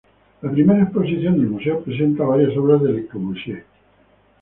La primera exposición del museo presentó varias obras de Le Corbusier.